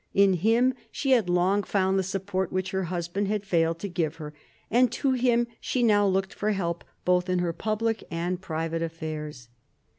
In him she had long found the support which her husband had failed to give her, and to him she now looked for help both in her public and private affairs.